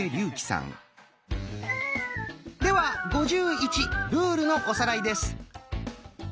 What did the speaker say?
では「５１」ルールのおさらいです。